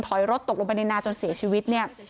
ถอยรถตกลงไปในนาจนเสียชีวิตเนี่ย